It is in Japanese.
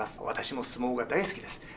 私も相撲が大好きです。